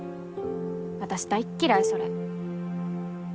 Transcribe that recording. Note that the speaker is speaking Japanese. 私大嫌いそれ。